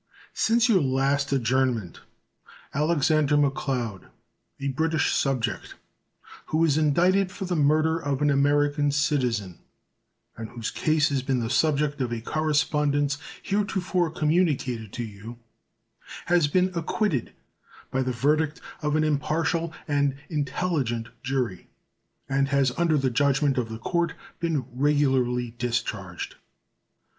Since your last adjournment Alexander McLeod, a British subject who was indicted for the murder of an American citizen, and whose case has been the subject of a correspondence heretofore communicated to you, has been acquitted by the verdict of an impartial and intelligent jury, and has under the judgment of the court been regularly discharged.